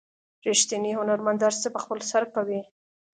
ریښتینی هنرمند هر څه په خپل سر کوي.